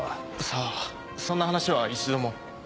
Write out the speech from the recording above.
さぁそんな話は一度も。